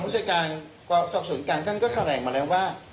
เมื่อเช้าผู้บัญชาการสอบส่วนการก็แขลงมาแล้วว่า